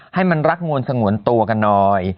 ให้มันรักมวลสงวนตัวกันหน่อย